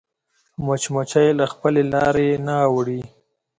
مچمچۍ له خپلې لارې نه اوړي